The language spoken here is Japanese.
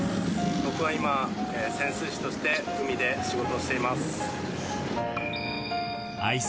僕は今、潜水士として海で仕事しています。